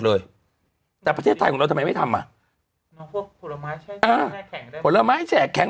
เลยแต่ประเทศไทยของเราทำไมไม่ทำอ่ะอ่าผลไม้แข็ง